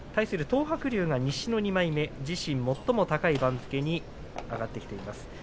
東白龍は西の２枚目自身最も高い番付に上がってきています。